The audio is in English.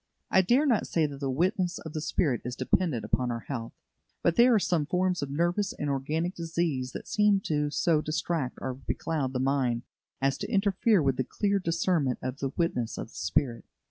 I dare not say that the witness of the Spirit is dependent upon our health, but there are some forms of nervous and organic disease that seem to so distract or becloud the mind as to interfere with the clear discernment of the witness of the Spirit.